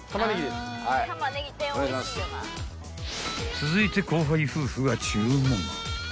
［続いて後輩夫婦が注文］